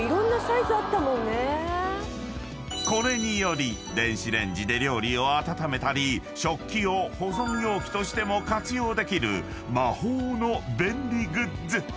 ［これにより電子レンジで料理を温めたり食器を保存容器としても活用できる魔法の便利グッズ］